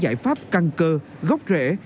đề ra giải pháp căng cơ gốc rễ